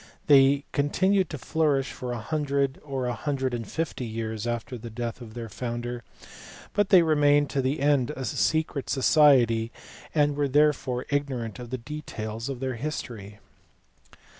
They continued to flourish for a hundred or a hundred and fifty years after the death of their founder, but they remained to the end a secret society, and we are therefore ignorant of the details of their history.